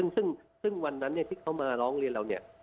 ซึ่งวันนั้นที่เขามาร้องเรียนเราเนี่ย